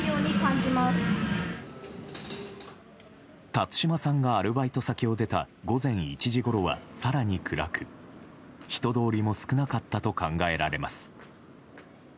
辰島さんがアルバイト先を出た午前１時ごろは更に暗く、人通りも少なかったと考えられます。